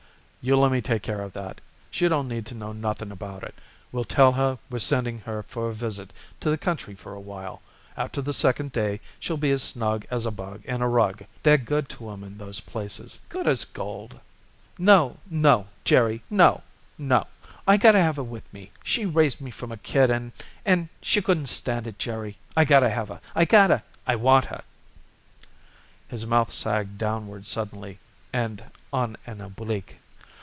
"You lemme take care of that. She don't need to know nothing about it. We'll tell her we're sending her for a visit to the country for a while. After the second day she'll be as snug as a bug in a rug. They're good to 'em in those places; good as gold." "No, no, Jerry! No, no! I gotta have her with me! She raised me from a kid and and she couldn't stand it, Jerry! I gotta have her, I gotta! I want her!" His mouth sagged downward suddenly and on an oblique.